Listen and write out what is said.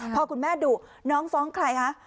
พอคุณแม่ดุน้องฟ้องใครคะ